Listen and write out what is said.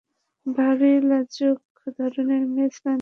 ভারি লাজুকধরনের মেয়ে ছিলেন তিনি, চুপচাপ বসে বসে পড়তেই বেশি ভালোবাসতেন।